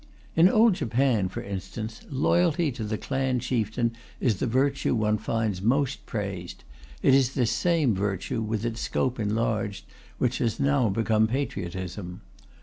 In old Japan, for instance, loyalty to the clan chieftain is the virtue one finds most praised; it is this same virtue, with its scope enlarged, which has now become patriotism.